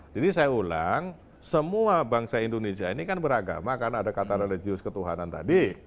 jadi saya ulang semua bangsa indonesia ini kan beragama karena ada kata religius ketuhanan tadi